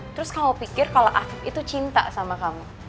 terus kamu pikir kalau aku itu cinta sama kamu